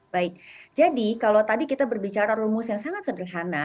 baik jadi kalau tadi kita berbicara rumus yang sangat sederhana